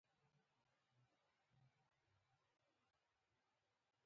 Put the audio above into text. کندهار يٶوخت دافغانستان پلازمينه وه